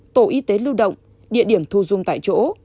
tổ y tế lưu động địa điểm thu dung tại chỗ